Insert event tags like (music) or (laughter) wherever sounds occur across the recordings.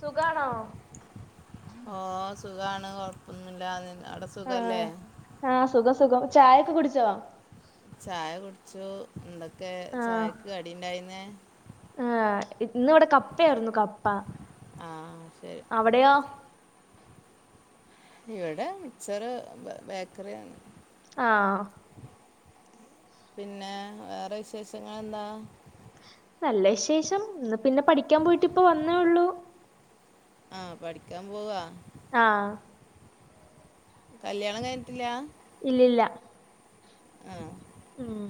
സുഖാണോ ഓ സുഖാണ് കൊഴപ്പൊന്നുമില്ല അവിടെ സുഖല്ലേ ആഹ് ആഹ് സുഖം സുഖം ചായൊക്കെ കുടിച്ചോ ചായ കുടിച്ചു എന്തൊക്കെ ചായക്ക് കടിയുണ്ടായിന്നേ ഏഹ് ഇന്ന് ഇവിടെ കപ്പയായിരുന്നു കപ്പ ആ ശരി അവിടെയോ ഇവിടെ മിച്ചർ ബേക്കറിയാണ് ആഹ് പിന്നെ വേറെ വിശേഷങ്ങളെന്താ നല്ല വിശേഷം ഇന്ന് പിന്നെ പഠിക്കാൻ പോയിട്ട് ഇപ്പം വന്നേള്ളൂ ആഹ് പഠിക്കാൻ പോവാ ആഹ് കല്ല്യാണം കഴിഞ്ഞിട്ടില്ല ഇല്ലില്ല ആഹ് ഉം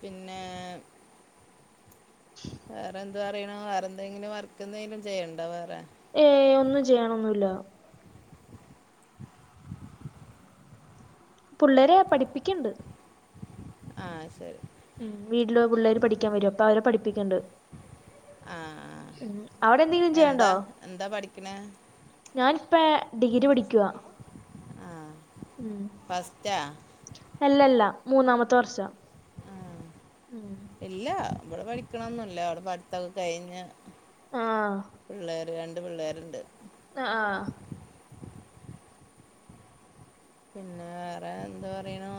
പിന്നേ വേറെന്ത് പറയണൂ വേറെന്തെങ്കിലും വർക്കെന്തെങ്കിലും ചെയ്യ്ണ്ടോ വേറെ ഏ ഒന്നും ചെയ്യിണൊന്നുല്ല പുള്ളേരെ പഠിപ്പിക്ക്ണ്ട് ആഹ് ശെരി ഉം വീട്ടില് പുള്ളേര് പഠിക്കാൻ വരും അപ്പൊ അവരെ പഠിപ്പിക്ക്ണ്ട് ആഹ് ആഹ് ഉം അവിടെ എന്തെങ്കിലും ചെയ്യാണ്ടോ പഠിക്കണേ ഞാനിപ്പേ ഡിഗ്രി പടിക്കുവാ ആ ഉം ഫസ്റ്റാ അല്ലല്ല മൂന്നാമത്തെ വർഷാ ആ ഉം ഇല്ല ഇവടെ പഠിക്കണൊന്നുല്ല ഇവടെ പഠിത്തൊക്കെ കഴിഞ്ഞ് ആഹ് പിള്ളേര് രണ്ട് പിള്ളേരുണ്ട് ആഹ് ആഹ് പിന്നെ വേറെന്ത് പറയുണൂ?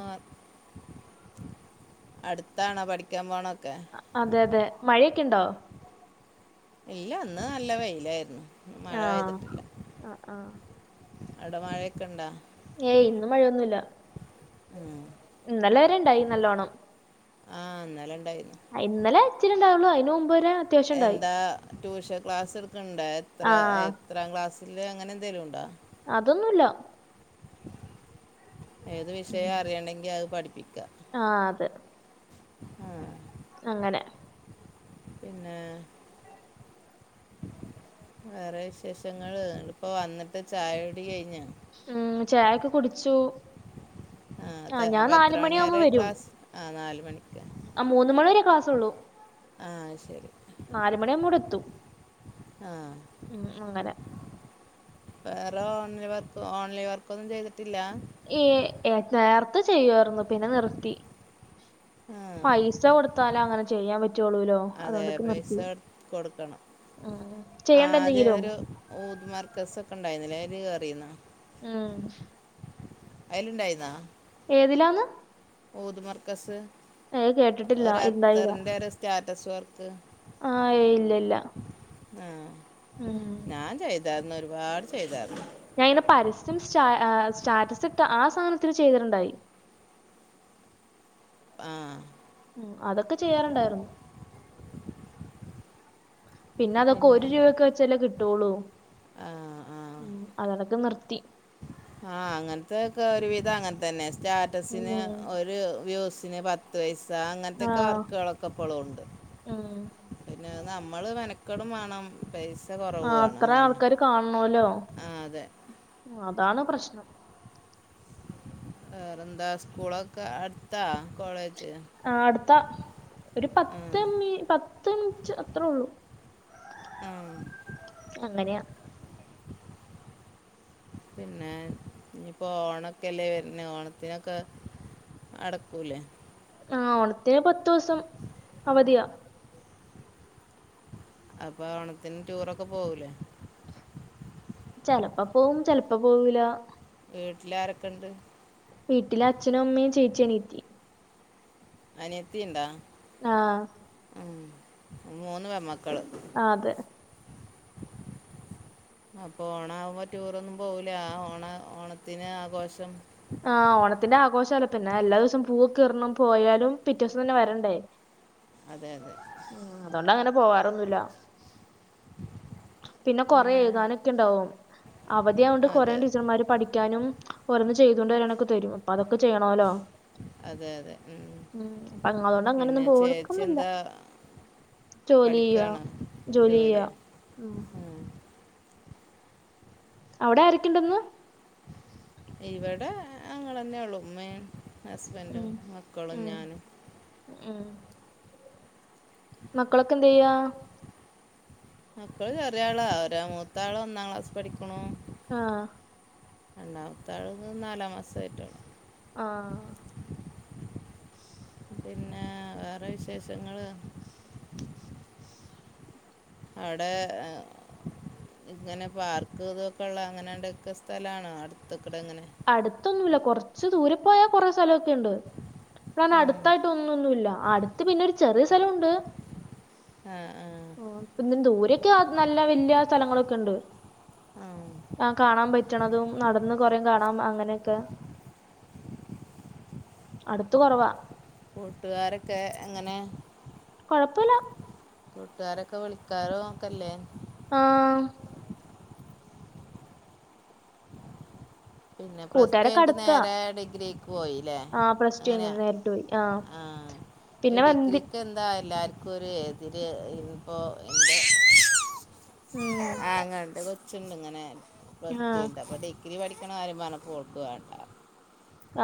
അടുത്താണോ പഠിക്കാ പോണോക്കെ? അതെ അതെ മഴെക്കെ ഇണ്ടോ? ഇല്ല ഇന്ന് നല്ല വെയിലായിരുന്നു, മഴ ആഹ് പെയ്തിട്ടില്ല. ആ ആ അവിടെ മഴെക്കെ ഇണ്ടാ? ഏയ് ഇന്ന് മഴയൊന്നുല്ല, ഉം ഇന്നലെ വരെണ്ടായി നല്ലോണം. ആഹ് ഇന്നലെണ്ടായീന്നു. ഇന്നലെ ഇച്ചിരി ഇണ്ടായിള്ളു ഐന് മുമ്പ് വരെ അത്യാവശ്യം ഉണ്ടായി എന്താ ട്യൂഷൻ ക്ലാസ്ട്ക്ക്ണ്ടോ എത്ര ആ എ എത്രാം ക്ലാസ്സ്ല് അങ്ങനെ എന്തേലുണ്ടോ? അതൊന്നുല്ല. ഏത് വിഷയാ അറിയണെങ്കി അത് പഠിപ്പിക്കാ. ആഹ് അതെ. ആഹ് അങ്ങനെ പിന്നെ വേറെ വിശേഷങ്ങള് ഇങ്ങട്പ്പ വന്നിട്ട് ചായകുടി കഴിഞ്ഞോ? ഉം ചായൊക്കെ കുടിച്ചു. ആഹ് ആ അതെ ഞാൻ അപ്പ എത്ര നാല് മണി മണിയാവുമ്പോ വരെ ക്ലാസ് ആഹ് നാല് മണിക്ക. ആഹ് മൂന്ന് മണി വരെ ക്ലാസൊള്ളു. ആഹ് അത് ശെരി. ന്ന് മണി ആവുമ്പം ഇവടെത്തും. ആഹ് മ് മ് അങ്ങനെ വേറെ ഓൺലൈ വർക്ക് ഓൺലൈൻ വർക്കൊന്നും ചെയ്തിട്ടില്ല. ഈ ഏ നേർത്തെ ചെയ്യാർന്നു പിന്നെ നിർത്തി ആ പൈസ കൊട് ത്താലങ്ങനെ ചെയ്യാൻ പറ്റൊള്ളൂലോ. അതെ പൈസ കൊടുക്കണം ഉം. ചെയ്യണ്ട ആദ്യ എന്തെങ്കിലും ഒരു ഊദ് മർക്കസ് ഒക്കെ ഇണ്ടായിരുന്നില്ലേ അതിന് കേറിന്നോ. മ് അയിലിണ്ടായിന്നാ ഏതിലാന്ന്? ഊദ് മർക്കസ്, ഏയ് കേട്ടിട്ടില്ല ഒരു ഇണ്ടായില്ല അത്തറിന്റെ ഒരു സ്റ്റാറ്റസ് വർക്ക്. ആഹ് ഏയ് ഇല്ല ഇല്ല ആഹ് ഉം ഞാൻ ചെയ് തായിരുന്നു ഒരുപാട് ചെയ്തായിരുന്നു. ഞാൻ ഇന്ന് പരസ്യം സ് ആഹ് സ്റ്റാറ്റസ് ഇട്ട ആ സാധനത്തിന് ചെയ്തിട്ടുണ്ടായി. ആഹ് മ് അതൊക്കെ ചെയ്യാറുണ്ടായിരുന്നു. പിന്നെ അതൊക്കെ ഒരു രൂപക്ക് വെച്ചല്ലേ കിട്ടുള്ളു, ആ മ് അതൊണ്ടോക്കെ നിർത്തി. ആഹ് അങ്ങനത്തെക്കെ ഒരു വിധം അങ്ങനെ തന്നെ സ്റ്റാ റ്റസിന് ഉം ഒരു വ്യൂസിന് പത് ത്ത് പൈസ അങ്ങനത്തൊക്കെ ആഹ് വർക്കുകളൊക്കെ ഇപ്പോളും ഉണ്ട്. ഉം പിന്നെ നമ്മള് മെനക്കെടും വേണം പൈസ് ആഹ് അത്ര ആൾക്കാര് കാണണല്ലോ ആ അതെ അതാണ് പ്രശ്നം. വേറെന്താ സ്കൂളൊക്കെ അടുത്താ കോളേജ്. ആഹ് അടുത്ത, ഒരു ആ പത്ത് മി പത്ത് മിനിറ്റ് അത്രേ ഒള്ളു. ആഹ് അങ്ങനെയ. പിന്നെ ഇനിപ്പോ ഓണൊക്കെല്ലേ വരുന്നെ. ഓണത്തിനൊക്കെ അടക്കൂല്ലേ. ആ ഓണത്തിന് പത്തു ദിവസം അവധിയാ. അപ്പൊ ഓണത്തിന് ടൂറൊക്കെ പോകൂലേ? ചെലപ്പോ പോവും. ചെലപ്പോ പോവൂല. വീട്ടിലാരൊക്കെണ്ട്? വീട്ടിലച്ഛനും, അമ്മേം, ചേച്ചി, അനീത്തി. അനിയത്തിണ്ടാ? ആഹ ഉം മൂന്ന് പെൺ മക്കള്. ആ അതെ. അപ്പൊ ഓണ ആകുമ്പോ ടൂറൊന്നും പോവുല. ആ ഓണ ഓണത്തിന് ആഘോഷം ആ ഓണത്തിന്റെ ആഘോഷല്ലേ. പിന്നെ എല്ലാ ദിവസം പൂവൊക്കെ ർണം. പോയാലും പിറ്റെ ദിവസം തന്നെ വരണ്ടേ. (inaudible) അതെ അതെ. ആ അതോണ്ട് അങ്ങനെ പോവാറൊന്നുല്ല. പിന്നെ കൊറേ എഴുതാനൊക്കെ ഉണ്ടാവും. അവധിയായോണ്ട് കൊറെ അതെ ടീച്ചർമാര് പഠിക്ക ക്കാനും ഓരോന്ന് ചെയ്തുകൊണ്ട് വരാനൊക്കെ തരും. അപ്പൊ അതൊക്കെ ചെയ്യണോല്ലോ. അതെ അതെ ഉം അപ്പ അങ്ങനൊണ്ട് പിന്നെ അങ്ങനൊന്നും ചേച്ചി പോവുക്കന്നില്ല. എന്താ ജോലി ചെയ്യ. പഠിക്കുകയാണ് ജോലി ചെയ്യ. ഉം. അവിടെ ആരക്ക്ണ്ട്ന്ന്? ഇവിടെ അങ്ങല് തന്നെ ഉള്ളു. ഉമ്മേം, ഉം ഹസ്ബൻറും, മക്കളും, ഉം ഞാനും. ഉം മക്കളൊക്കെ എന്ത് ചെയ്യാ? മക്കളെ ചെറിയ ആളാ. ഒരാ മൂത്ത ആള് ഒന്നാം ക്ലാസി പഠിക്കണു. ആഹ രണ്ടാമത്തെ ആള് ഇന്ന് നാലാം മാസമായിട്ടള്ളൂ. ആഹ പിന്നെ വേറെ വിശേഷങ്ങള്. അവടെ ഏ ഇങ്ങനെ പാർക്ക് ഇതൊക്കെ ഉള്ള അങ്ങനെണ്ടൊക്കെ സ്ഥലാണോ, അടുത്തക്കടെ ഇങ്ങനെ. അടുത്തൊന്നുല്ല. കൊറച്ച് ദൂരെ പോയാ കൊറെ സലൊക്കെയുണ്ട്. ൻ ആ അടുത്തായിട്ട് ഒന്നൊന്നുല്ല. അടുത്ത് പിന്നെ ഒരു ചെറിയ സലുണ്ട്. ആഹ ആഹ അപ്പൊ പിന്ന ദൂരൊക്കെ നല്ല വല്യ സ്ഥലങ്ങളൊക്കെ ഉണ്ട്. ആഹ് ആ കാണാൻ പറ്റണതും, നടന്ന് കുറെം കാണാം, അങ്ങനെയൊക്കെ. അടുത്ത് കൊറവാ. കൂട്ടുകാരൊക്കെ എങ്ങനെ? കുഴപ്പുല്ല. കൂട്ടുകാരൊക്കെ വിളിക്കാറോക്കല്ലേ? ആഹ പിന്നെ പ്ലസ് ടു കൂട്ടുകാരൊക്കെ കയ്ഞ്ട്ട് അടുത്താ നേരെ ഡിഗ്രിക്ക് പോയില്ലേ. ആ പ്ലസ് ടു അങ്ങനെ കഴിഞ്ഞ് നേരിട്ട് പോയി ആ ആഹ്. ഈ പിന്നെ വന്തി ഡിഗ്രിക്ക് എന്താ എല്ലാര് (unintelligible) എതിര് ഇപ്പോ എ ഉം ആങ്ങൾടെ കൊ ച്ച്ണ്ട് ങ്ങനെ, ആ പ്ലസ്ടു കഴിഞ്ഞിട്ടു. അപ്പോ ഡിഗ്രി പഠിക്കണ കാര്യം പറഞ്ഞപോൾ ഓൾക്ക് വേണ്ട.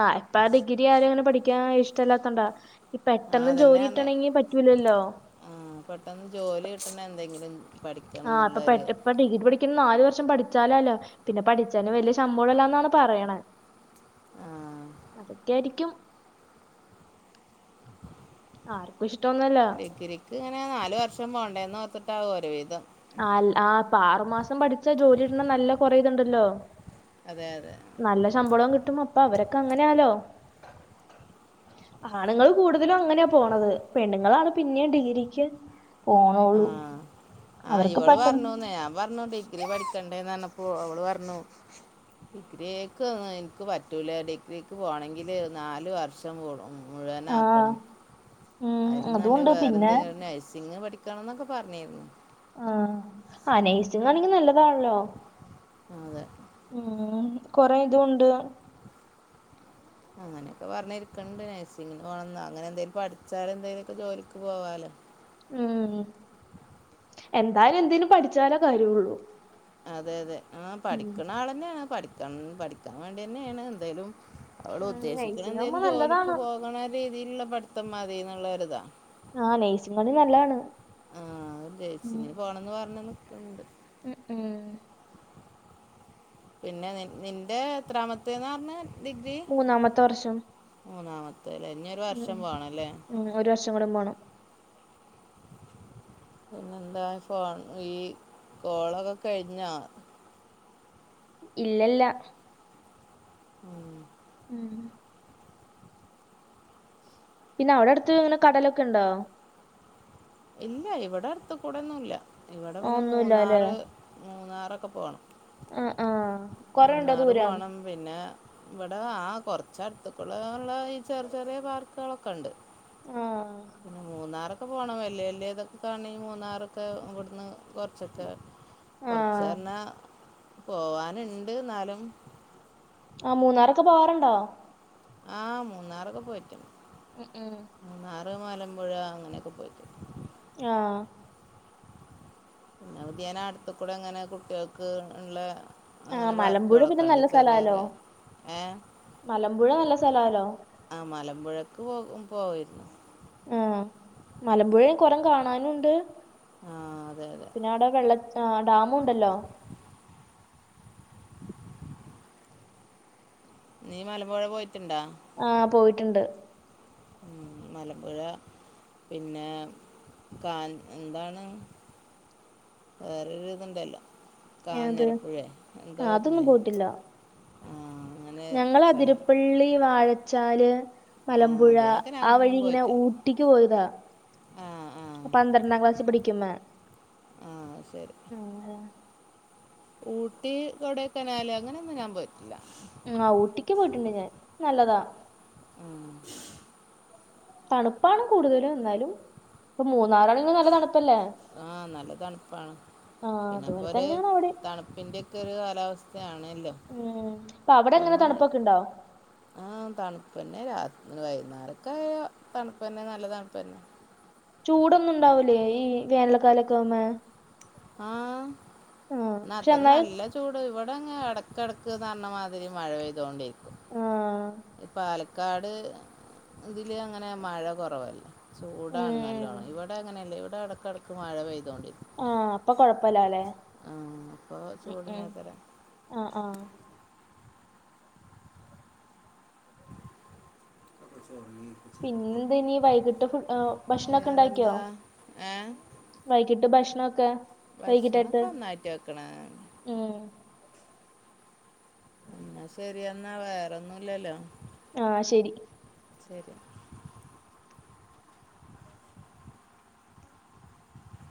ആ ഇപ്പ ആ ഡിഗ്രി ആരെങ്കിലും പഠിക്കാൻ ഇഷ്ടല്ലാതൊണ്ടാ. ഇ പെട്ടെന്ന് ജോലി കിട്ടണങ്കിൽ പറ്റൂലല്ലോ. ആഹ പെട്ടെന്ന് ജോലി കിട്ടണ എന്തെങ്കിലും. പഠിക്കണം ആഹ് അപ്പ എന്നുള്ളൊരു പ്പെട്ട ഇപ്പ ഡിഗ്രി പഠി ക്കും നാല് വർഷം പഠിച്ചാലാലോ. പിന്നെ പഠിച്ചാല് വല്യ ശമ്പളംല്ലാന്നാണ് പറയണേ. ആ, അതൊക്കെ യായിരിക്കും ആർക്കും ഇഷ്ടോന്നല്ല ക്ക് ങ്ങനെ നാല് വർഷം പോണ്ടേെന്ന് ഓർത്തിട്ടാവും ഒരുവിധം ആൽ ആ പ്പ ആറുമാസം പഠിച്ചാ ജോലികിട്ടണ നല്ല കൊറേത്ണ്ടല്ലോ അതെ അതെ നല്ല ശമ്പളം കിട്ടുമ്പോ പ്പ അവരൊക്കെ അങ്ങനാലോ ആണുങ്ങൾ കൂടുതലും അങ്ങനെയാ പോണത് പെണ്ണുങ്ങളാണ് പിന്നെയും ഡിഗ്രിക്ക് പോണോള്ളൂ ആഹ ആ അവർക്ക് ഇവള് പെട്ടെന്ന് പറഞ്ഞുന്നെ ഞാൻ പറഞ്ഞു ഡി ഗ്രി പഠിക്കണ്ടേന്ന്റന്നപ്പോ അവള് പറഞ്ഞു ഡിഗ്രിക്ക്ന്നു എനിക്ക് പറ്റൂല ഡിഗ്രിക്ക് പോണങ്കില് നാല് വർഷം പോണം ആഹ് മുഴുവനാക്കണം ഉം അയിലും നല്ലെ അതുണ്ട് പിന്നെ വേറെന്തെങ്കിലും ഒരു നഴ്സിങ് പഠിക്കണംന്നൊക്കെ പറഞ്ഞിരുന്നു ആഹ ആനൈസിങ്ങാണെങ്കിൽ നല്ലതാണല്ലോ അതെ ഉം കൊറെ ഇതും ഉണ്ട് അങ്ങനെയൊക്കെ പറഞ്ഞിരിക്കണ്ട് നഴ്സിംഗ പോണംന്നോ അങ്ങനെ എന്തേലും പഠിച്ചാല എന്തേലെക്കെ ജോലിക്ക് പോവാലോ ഉം എന്തായാലും എന്തേലും പഠിച്ചാലോ കാര്യുള്ളൂ അതെ അതെ ആ പഠിക്കണ ആൾ തന്നെയാണ് പഠിക്ക പഠിക്കാൻ വേണ്ടി തന്നെയാണ് എന്തായാലും അവള് ഉം ഉദ്ദേശിക്കണ നഴ്സിംഗാവുമ്പോ എന്തേലും ജോലിക്ക് നല്ലതാണ് പോകണ രീതിയിലുള്ള പഠിത്തം മതിന്നുള്ളരിതാ ആഹ് നഴ്സിംഗാണ് നല്ലാണ് ആഹ ഉം ജേസിങ്ങിന് പോണംന്ന് പറഞ്ഞ് നിക്ക്ണ്ട് ഉം ഉം പിന്നെ നി നിന്റെ എത്രാമത്തെന്ന് റഞ്ഞെ ഡിഗ്രി മൂന്നാമത്തെ വർഷം മൂന്നാമത്തെലെ ഞ് ഉം ഉം ഒരു വർഷം കൂടെ പോണം പിന്നെന്താ ഫോൺ ഈ കോളൊക്കെ കഴിഞ്ഞാ ഇല്ലല്ല ഉം ഉം പിന്നെ അവിടെ അടുത്ത് ഇങ്ങനെ കടലൊക്കെ ഉണ്ടോ ഇല്ല ഇവിടെ അടുത്കൂടെന്നുല്ല ഇവിടെ ആഹ് പിന്നെ ഒന്നുല്ലല്ലേ മൂന്നാറ് മൂന്നാറൊക്കെ പോകണം ആഹ് ആഹ് കൊറേണ്ടോ മൂന്നാറ് ദൂരം പോണം പിന്നെ ഇവിടെ ആ കുറച്ചടുത്ക്കുടള്ള ഈ ചെറിയ ചെറിയ പാർക്കുകളൊക്കെണ്ട് ആഹ് പിന്നെ മൂന്നാറക്കെ പോകണം വല്യ വല്യ ഇതൊക്കെ കാണെങ്കിൽ മൂന്നാറക്കെ ഇവിടുന്ന് കുറച്ചൊക്കെ കുറച്ച് ആഹ് പറഞ്ഞാ പോവാന്ണ്ട് എന്നാലും ആ മൂന്നാറൊക്കെ പോവാറുണ്ടോ ആഹ മൂന്നാറൊക്കെ പോയിട്ട്ണ്ട് ഉം ഉം മൂന്നാർ മലമ്പുഴ അങ്ങനെയൊക്കെ പോയി ആഹ് (unintelligible) അടുത്തകൂടെങ്ങനെ കുട്ടികൾക്ക് ഉള്ള അങ്ങനെ ആഹ് മലമ്പുഴ പിന്നെ പാർക്കുകളൊക്കെണ്ട് നല്ല ചെറിയ സ്ഥലാലോ ചെറിയ ഏ മലമ്പുഴ നല്ല സ്ഥലാലോ ആ മലമ്പുഴക്ക് പോകു പോയിര്ന്ന് ആഹ മലമ്പുഴെ കുറം കാണാനുണ്ട് ആ അതെ അതെ പിന്നെ അവിടെ വെള്ള ചാ ഡാമു ഉണ്ടല്ലോ (inaudible) നീ മലമ്പുഴ പോയിട്ടുണ്ടാ ആ പോയിട്ടുണ്ട് ഉം മലമ്പുഴ പിന്നെ കാൻ എന്താണ് വേറൊരു ഇതുണ്ടല്ലോ ഏത് കാഞ്ഞരപ്പുഴേ ആ അതൊന്നും എന്തോന്നില്ലേ പോയിട്ടില്ല ഞങ്ങൾ അതിരപ്പള്ളി വാഴച്ചാല് ആ മലമ്പുഴ അതിനൊക്കെ ആ വഴി ഞാനും ഇങ്ങനെ പോയിട്ടുണ്ട് ഊട്ടിക്ക് പോയതാ ആ ആ പന്ത്രണ്ടാംക്ലാസ് പഠിക്കുമേ ആഹ് അത് ശരി ഊട്ടി കൊടൈക്കനാൽ അങ്ങനെന്നും ഞാൻ പോയിട്ടില്ല ഉം ആഹ് ഊട്ടിക്ക് പോയിട്ടുണ്ട് ഞാൻ നല്ലതാ ആഹ് തണുപ്പാണ് കൂടുതലും എന്നാലും മൂന്നാറാണെങ്കി നല്ല തണുപ്പല്ലെ ആഹ് നല്ല തണുപ്പാണ് അതുപോലെ പിന്നെപ്പോര് തന്നെയാണ് അവിടെ തണുപ്പിന്റെക്കെരു കാലാവ സ്ഥാ ആണല്ലോ ഉം അപ്പൊ അവിടെ എങ്ങനെ ഒന്ന് തണുപ്പൊക്കെ ഉണ്ടോ ആഹ് തണുപ്പന്നെ രാ വൈകുന്നേരൊക്കെ ആയതണുപ്പന്നെ നല്ല തണുപ്പന്നെ ചൂടൊന്നും ഉണ്ടാവൂലേ ഈ വേനൽക്കാലക്കെവുമെ ആഹ് പക്ഷെ ന്നത്ര എന്നാലും നല്ല ചു ട് ഇവിടെ ഇടക്കടക്ക് ന്നാർന്ന മാതിരി മഴ പെയ്തോണ്ടിരിക്കും ആ ഇ പാലക്കാട് ഇതിൽ അങ്ങനെ മഴ കൊറവല്ലേ ചൂടാണ് ഉം നല്ലോണം ഇവിടെ അങ്ങനെയല്ലേ ഇവിടെ ഇടക്കിടയ്ക്ക് മഴ പെയ്തോണ്ടിരിക്കും ആഹ് അപ്പൊ കൊഴപ്പല്ലാല്ലേ ആഹ് അപ്പോൾ ഉം ഉം ചൂട്നാത്രെ ആഹ് ആഹ് അപ്പ ചെറീ കു പിന്നെന്തനി വൈകിട്ട് ഫുഡ് ഏഹ് ഭക്ഷണൊക്കെ ഉണ്ടാക്കിയോ വേറെന്താ ഏ വൈകിട്ട് ഭക്ഷണൊക്കെ ഭക്ഷണക്കെ വൈകിട്ടേക്ക് ഒന്നായിട്ട് വെക്ക്ണാണ് ഉം എന്നാ ശെരിയെന്നാ വേറെന്നുല്ലല്ലോ ആഹ് ശരി ശരി (inaudible)